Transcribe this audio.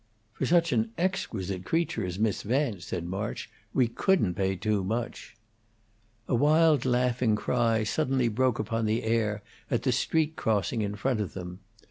"For such an exquisite creature as Miss Vance," said March, "we couldn't pay too much." A wild laughing cry suddenly broke upon the air at the street crossing in front of them.